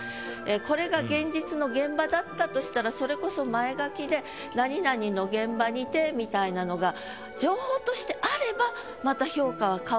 これが現実の現場だったとしたらそれこそ前書きで「何々の現場にて」みたいなのが情報としてあればまた。